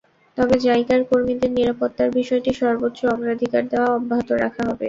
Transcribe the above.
তবে জাইকার কর্মীদের নিরাপত্তার বিষয়টি সর্বোচ্চ অগ্রাধিকার দেওয়া অব্যাহত রাখা হবে।